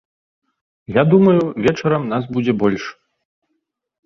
Я думаю, вечарам нас будзе больш.